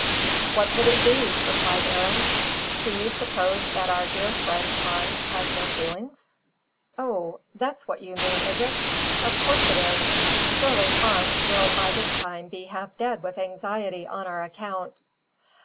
"What would it be?" replied Arend. "Do you suppose that our dear friend Hans has no feelings?" "O, that's what you mean, is it?" "Of course it is. Surely Hans will by this time be half dead with anxiety on our account."